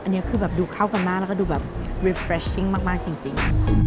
อันเนี้ยคือแบบดูเข้ากันมากแล้วก็ดูแบบมากมากจริงจริง